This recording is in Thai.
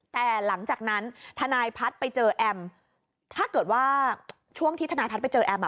แต่หลังจากนั้นทนายพัฒน์ไปเจอแอมถ้าเกิดว่าช่วงที่ทนายพัฒน์ไปเจอแอมอ่ะ